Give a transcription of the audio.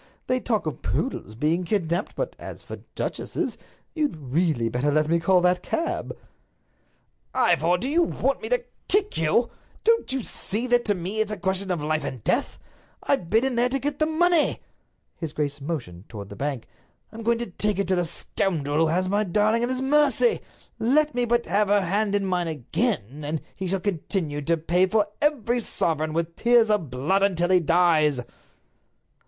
They talk of poodles being kidnaped, but as for duchesses—You'd really better let me call that cab." "Ivor, do you want me to kick you? Don't you see that to me it's a question of life and death? I've been in there to get the money." His grace motioned toward the bank. "I'm going to take it to the scoundrel who has my darling at his mercy. Let me but have her hand in mine again, and he shall continue to pay for every sovereign with tears of blood until he dies."